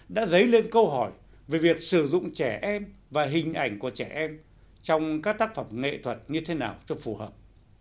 đã dấy lên câu hỏi về việc sử dụng trẻ em và hình ảnh của trẻ em trong các tác phẩm nghệ thuật như thế nào cho phù hợp